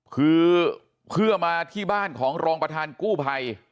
คือเพื่อมาที่บ้านของรองประธานกู้ภัย